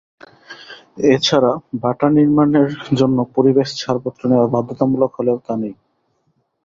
এ ছাড়া ভাটা নির্মাণের জন্য পরিবেশ ছাড়পত্র নেওয়া বাধ্যতামূলক হলেও তা নেই।